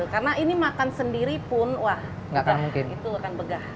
karena ini makan sendiripun wah itu akan begah